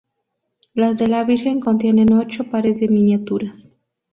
Las de la Virgen contienen ocho pares de miniaturas.